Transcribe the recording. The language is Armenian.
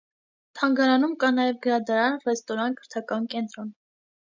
Թանգարանում կա նաև գրադարան, ռեստորան, կրթական կենտրոն։